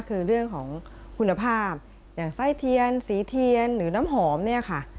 คือเรื่องของคุณภาพอย่างไส้เทียนสีเทียนหรือน้ำหอมเนี่ยค่ะ